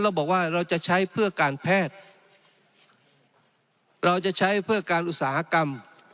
บอกว่าเราจะใช้เพื่อการแพทย์เราจะใช้เพื่อการอุตสาหกรรม